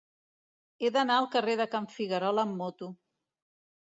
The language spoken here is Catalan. He d'anar al carrer de Can Figuerola amb moto.